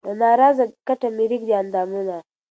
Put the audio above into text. له نا رضا کټه مې رېږدي اندامونه